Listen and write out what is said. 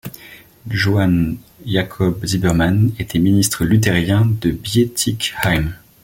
Johann Jacob Zimmermann était ministre luthérien de Bietigheim.